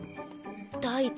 第一